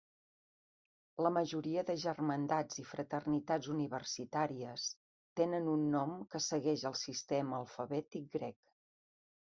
La majoria de germandats i fraternitats universitàries tenen un nom que segueix el sistema alfabètic grec.